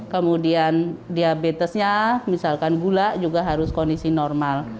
kemudian diabetesnya misalkan gula juga harus kondisi normal